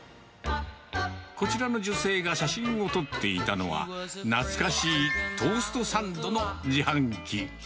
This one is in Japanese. こちらの女性が写真を撮っていたのは、懐かしいトーストサンドの自販機。